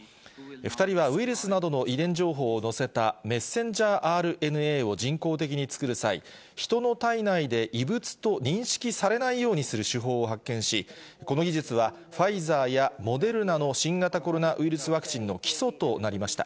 ２人はウイルスなどの遺伝情報をのせたメッセンジャーＲＮＡを人工的に作る際、人の体内で異物と認識されないようにする手法を発見し、この技術は、ファイザーやモデルナの新型コロナウイルスワクチンの基礎となりました。